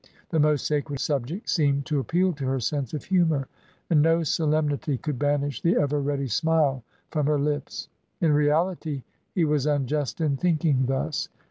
The most sacred subjects seemed to appeal to her sense of humour, and no solemnity could banish the ever ready smile from her lips. In reality he was unjust in thinking thus.